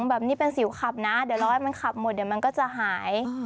แบบนี้เป็นสิวขับนะเดี๋ยวรอให้มันขับหมดเดี๋ยวมันก็จะหาย